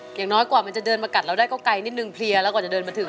อย่างน้อยกว่ามันจะเดินมากัดเราได้ก็ไกลนิดนึงเพลียแล้วกว่าจะเดินมาถึง